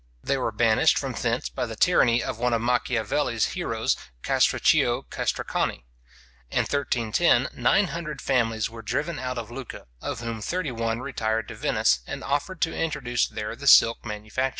They were banished from thence by the tyranny of one of Machiavel's heroes, Castruccio Castracani. In 1310, nine hundred families were driven out of Lucca, of whom thirty one retired to Venice, and offered to introduce there the silk manufacture.